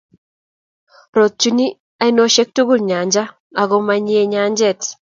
Rootyin ainoosyek tugul nyanja, ago manyiei nyanjet.